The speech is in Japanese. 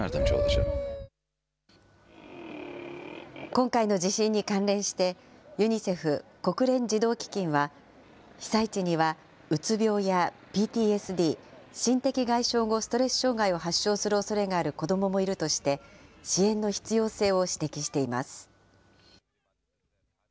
今回の地震に関連して、ユニセフ・国連児童基金は、被災地には、うつ病やＰＴＳＤ・心的外傷後ストレス障害を発症するおそれがある子どももいるとして、支援の必要性を指摘しています。